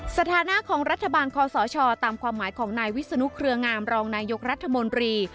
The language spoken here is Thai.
สถาของรัฐบาลคอสองชตามความหมายของนายวิศนุครงามรองนายกปี